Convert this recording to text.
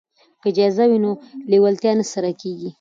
که جایزه وي نو لیوالتیا نه سړه کیږي.